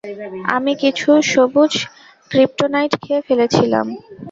আমি কিছু সবুজ ক্রিপ্টোনাইট খেয়ে ফেলেছিলাম।